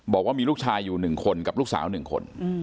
บอกว่ามีลูกชายอยู่๑คนกับลูกสาว๑คน